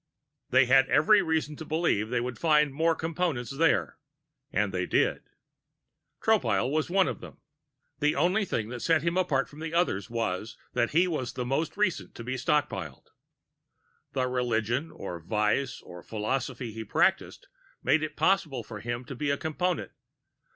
They had every reason to believe they would find more Components there, and they did. Tropile was one of them. The only thing which set him apart from the others was that he was the most recent to be stockpiled. The religion, or vice, or philosophy he practiced made it possible for him to be a Component.